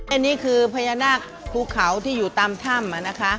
อันนี้คือพญานาคภูเขาที่อยู่ตามถ้ำนะคะ